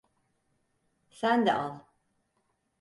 Sen de al.